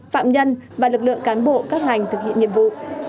phạm nhân và lực lượng cán bộ các ngành thực hiện nhiệm vụ